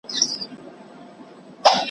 وايی په ښار کي محتسب ګرځي `